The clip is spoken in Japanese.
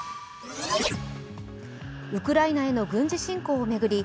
ウクライナへの軍事侵攻を巡り